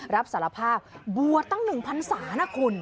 รับสารภาพบวชตั้ง๑พันศานะคุณ